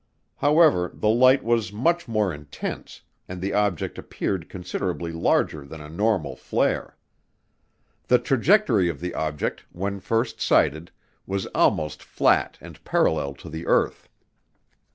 However, the light was much more intense and the object appeared considerably larger than a normal flare. The trajectory of the object, when first sighted, was almost flat and parallel to the earth.